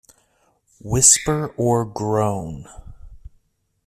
Whisper or groan.